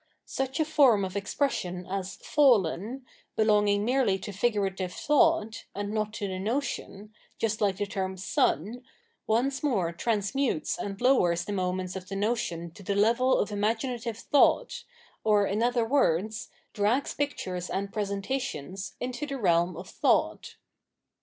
Such a form of expression as "" fallen,"' belonging merely to figurative thought, and not to the notion, just like the term ""Son," once more transmutes and lowers the moments of the notion to the level of imaginative thought, or, in other words, drags pictures and presentations into the realm of thought.